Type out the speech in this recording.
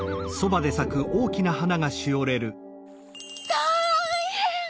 たいへん！